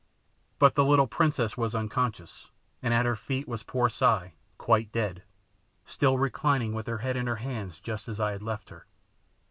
But the little princess was unconscious, and at her feet was poor Si, quite dead, still reclining with her head in her hands just as I had left her.